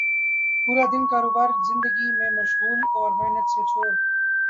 پورا دن کاروبار زندگی میں مشغول اور محنت سے چور